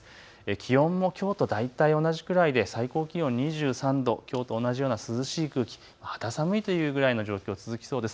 気温もきょうと大体同じくらいで最高気温２３度、きょうと同じような涼しい空気、肌寒いぐらいの状況続きそうです。